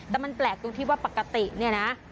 แต่มันแปลกตรงที่ว่าปกติเนี่ยนะ